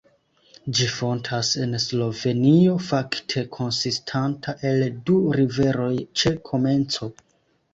Ĝi fontas en Slovenio, fakte konsistanta el du riveroj ĉe komenco.